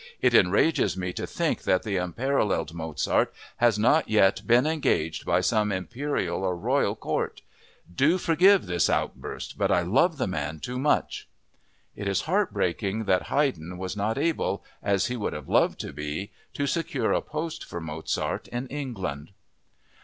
It enrages me to think that the unparalleled Mozart has not yet been engaged by some imperial or royal court! Do forgive this outburst; but I love the man too much!" It is heartbreaking that Haydn was not able, as he would have loved to be, to secure a post for Mozart in England.